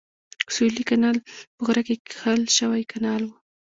سویلي کانال په غره کې کښل شوی کانال و.